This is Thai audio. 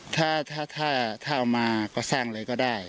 ถ้าเอามาก็แส่งอะไรก็ได้